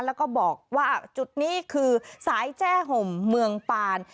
แล้วก็บอกว่าจุดนี้คือสายแจ้ห่มเมืองปาน